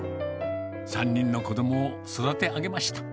３人の子どもを育て上げました。